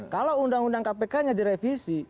kalau undang undang kpk nya direvisi